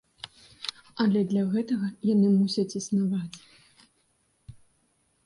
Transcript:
Але для гэтага яны мусяць існаваць.